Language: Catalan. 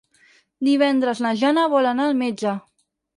Divendres na Jana vol anar al metge.